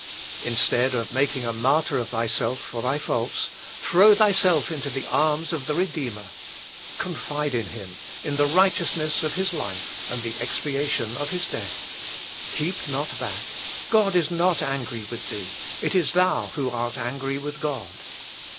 Instead of making a martyr of thyself for thy faults, throw thyself into the arms of the Redeemer. Confide in him, in the righteousness of his life, and the expiation of his death. Keep not back; God is not angry with thee; it is thou who art angry with God.